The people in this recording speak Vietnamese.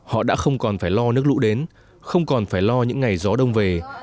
họ đã không còn phải lo nước lũ đến không còn phải lo những ngày gió đông về